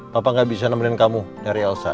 papa gak bisa nemenin kamu dari elsa